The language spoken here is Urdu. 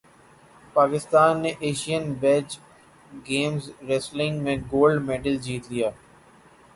پاکستان نےایشئین بیچ گیمز ریسلنگ میں گولڈ میڈل جیت لیا